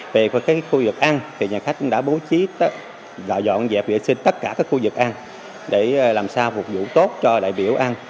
về khu vực ăn thì nhà khách cũng đã bố trí gạo dọn dẹp vệ sinh tất cả các khu vực ăn để làm sao phục vụ tốt cho đại biểu ăn